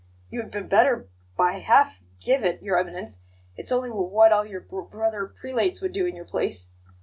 You had b better by half g give it, Your Eminence; it's only w what all your b brother prelates would do in your place.